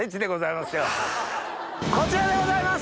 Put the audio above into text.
こちらでございます！